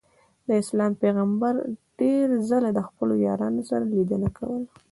اسلام پیغمبر ډېر ځله له خپلو یارانو سره لیدنه کوله.